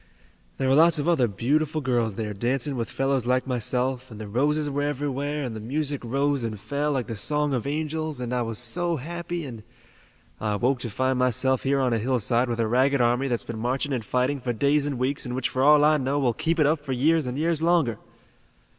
There were lots of other beautiful girls there dancing with fellows like myself, and the roses were everywhere, and the music rose and fell like the song of angels, and I was so happy and I awoke to find myself here on a hillside with a ragged army that's been marching and fighting for days and weeks, and which, for all I know, will keep it up for years and years longer."